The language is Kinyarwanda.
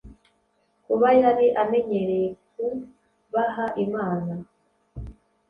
Kuba yari amenyeye kubaha Imana